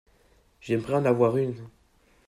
J’aimerais en avoir une.